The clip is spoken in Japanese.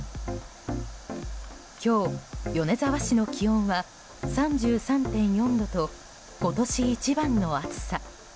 今日、米沢市の気温は３３．４度と今年一番の暑さ。